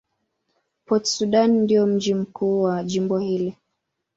Port Sudan ndio mji mkuu wa jimbo hili.